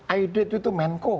aidat itu menko